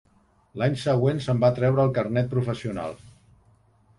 L'any següent se'n va treure el carnet professional.